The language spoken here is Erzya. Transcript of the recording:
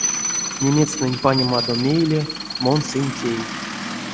Немецтнень панемадо мейле мон сынь тей.